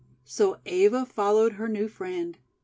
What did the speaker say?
So Eva followed her new friend.